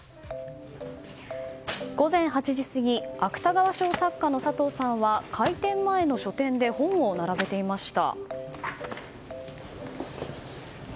午前８時過ぎ芥川賞作家の佐藤さんは開店前の書店で本を並べていました。